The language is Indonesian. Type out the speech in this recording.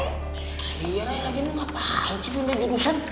iya ray lagi ini gapalah sih pindah jurusan